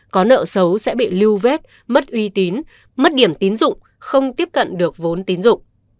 có nợ xấu sẽ bị lưu vết mất uy tín mất điểm tín dụng không tiếp cận được vốn tín dụng